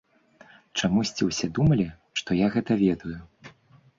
Чамусьці ўсе думалі, што я гэта ведаю.